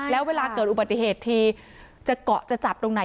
แล้วเวลาเกิดอุบัติเหตุทีจะเกาะจะจับตรงไหน